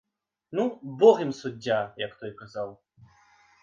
Ну бог ім суддзя, як той казаў.